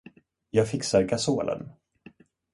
Jag fixar gasolen!